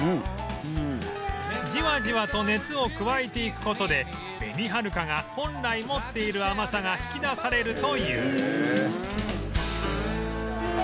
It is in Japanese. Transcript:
じわじわと熱を加えていく事でべにはるかが本来持っている甘さが引き出されるという